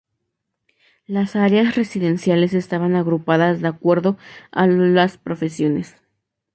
Las áreas residenciales estaban agrupadas de acuerdo a las profesiones.